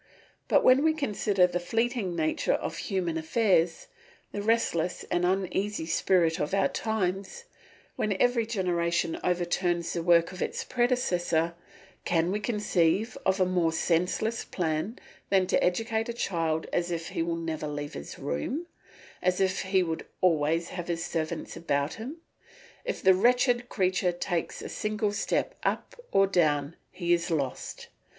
But when we consider the fleeting nature of human affairs, the restless and uneasy spirit of our times, when every generation overturns the work of its predecessor, can we conceive a more senseless plan than to educate a child as if he would never leave his room, as if he would always have his servants about him? If the wretched creature takes a single step up or down he is lost.